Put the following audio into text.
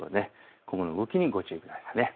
今後の動きにご注意ください。